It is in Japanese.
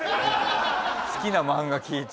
好きな漫画聞いて。